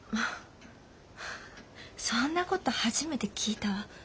そんな事初めて聞いたわ。